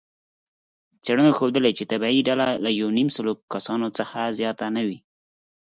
څېړنو ښودلې، چې طبیعي ډله له یونیمسلو کسانو څخه زیاته نه وي.